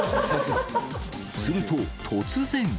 すると、突然。